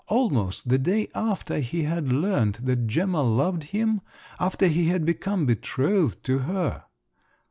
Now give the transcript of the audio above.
Almost the day after he had learnt that Gemma loved him, after he had become betrothed to her.